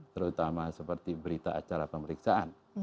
terutama seperti berita acara pemeriksaan